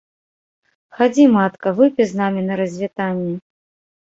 Хадзі, матка, выпі з намі на развітанне.